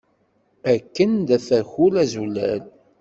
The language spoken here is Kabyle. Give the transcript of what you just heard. Akken d afakul azulal!